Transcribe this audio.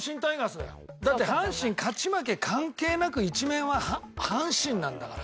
だって阪神勝ち負け関係なく一面は阪神なんだから。